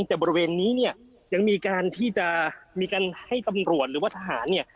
แต่บริเวณนี้เนี่ยยังมีการที่จะมีการให้ตำรวจหรือว่าทหารเนี่ย